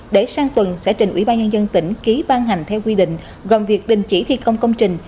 để sang tuần sẽ trình ủy ban nhân dân tỉnh ký ban hành theo quy định gồm việc đình chỉ thi công công trình